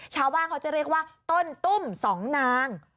ชาวบ้านเขาจะเรียกว่าต้นตุ้มสองนาง